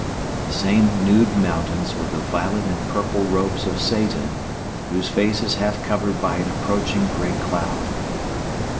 The same nude mountains with the violet and purple robes of Satan, whose face is half covered by an approaching grey cloud.